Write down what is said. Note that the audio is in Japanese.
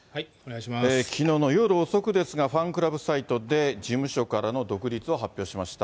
きのうの夜遅くですが、ファンクラブサイトで事務所からの独立を発表しました。